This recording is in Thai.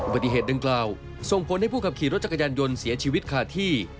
ปฏิเหตุดังกล่าวส่งผลให้ผู้ขับขี่รถจักรยานยนต์เสียชีวิตขาดที่